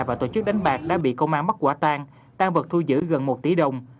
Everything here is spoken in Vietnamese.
và tổ chức đánh bạc đã bị công an bắt quả tan tan vật thu giữ gần một tỷ đồng